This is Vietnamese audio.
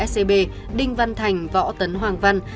scb đinh văn thành võ tấn hoàng văn